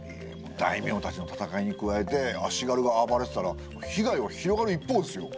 大名たちの戦いに加えて足軽が暴れてたら被害は広がる一方ですよ。